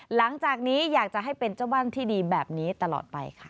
หลังจากนี้อยากจะให้เป็นเจ้าบ้านที่ดีแบบนี้ตลอดไปค่ะ